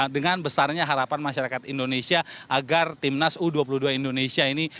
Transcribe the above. dengan besarnya harapan masyarakat indonesia agar timnas u dua puluh dua indonesia ini